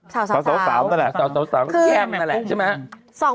สาวนั่นแหละสาวพี่แอมนั่นแหละใช่ไหม